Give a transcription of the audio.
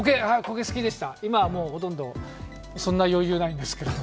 好きです、今はもうほとんどそんな余裕ないんですけれども。